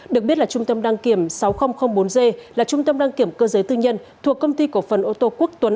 được biết là trung tâm đăng kiểm sáu nghìn bốn g là trung tâm đăng kiểm cơ giới tư nhân thuộc công ty cổ phần ô tô quốc tuấn